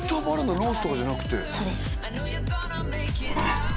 ロースとかじゃなくてそうですえっ？